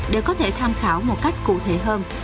để có thể tham khảo một cách cụ thể hơn